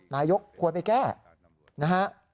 นายกควรไปแก้นะฮะ